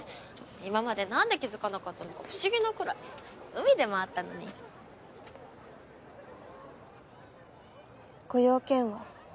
今までなんで気付かなかったのか不思議なくらい海でも会ったのにご用件は？